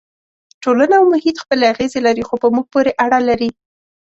ټولنه او محیط خپلې اغېزې لري خو په موږ پورې اړه لري.